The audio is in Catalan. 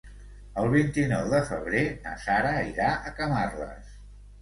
El vint-i-nou de febrer na Sara irà a Camarles.